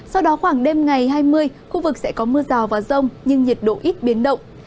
sau đó khoảng đêm ngày hai mươi khu vực sẽ có mưa rào và rông nhưng nhiệt độ ít biến động